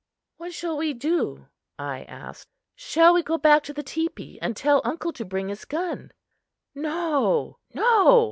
"What shall we do?" I asked. "Shall we go back to the teepee and tell uncle to bring his gun?" "No, no!"